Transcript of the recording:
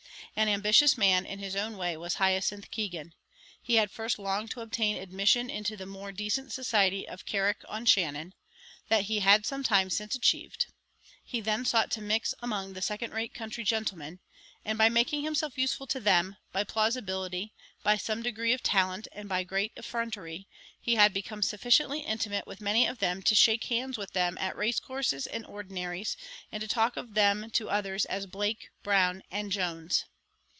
An ambitious man in his own way was Hyacinth Keegan: he had first longed to obtain admission into the more decent society of Carrick on Shannon that he had some time since achieved; he then sought to mix among the second rate country gentlemen; and by making himself useful to them, by plausibility, by some degree of talent, and by great effrontery, he had become sufficiently intimate with many of them to shake hands with them at race courses and ordinaries, and to talk of them to others as "Blake," "Brown," and "Jones."